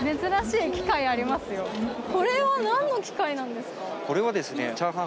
これは何の機械なんですか？